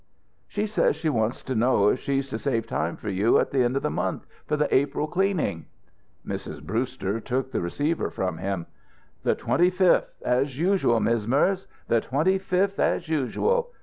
She says she wants to know if she's to save time for you at the end of the month for the April cleaning." Mrs. Brewster took the receiver from him: "The twenty fifth, as usual, Miz' Merz. The twenty fifth, as usual.